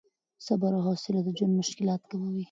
صبر او حوصله د ژوند مشکلات کموي.